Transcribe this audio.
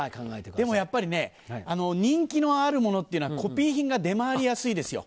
でもやっぱりね人気のあるものっていうのはコピー品が出回りやすいですよ。